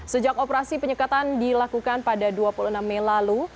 sejak operasi penyekatan dilakukan pada dua puluh enam mei lalu